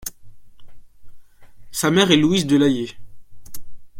Sa mère est Louise de Layé.